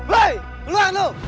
woy keluhkan lu